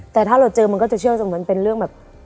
แต่ถ้าเราเจอมันก็จะเชื่อเหมือนเป็นเรื่องแบบ